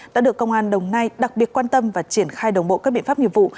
đã được công an đồng nai đặc biệt quan tâm và triển khai đồng bộ các biện pháp nghiệp vụ